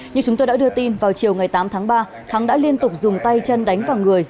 như chúng tôi đã đưa tin vào chiều ngày tám tháng ba thắng đã liên tục dùng tay chân đánh vào người